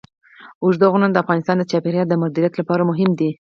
اوږده غرونه د افغانستان د چاپیریال د مدیریت لپاره مهم دي.